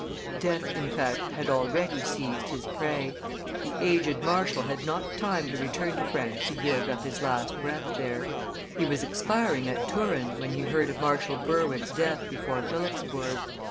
Death, in fact, had already seized his prey; the aged marshal had not time to return to France to yield up his last breath there; he was expiring at Turin, when he heard of Marshal Berwick's death before Philipsburg.